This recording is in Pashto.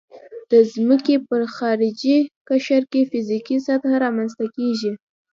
د ځمکې په خارجي قشر کې فزیکي سطحه رامنځته کیږي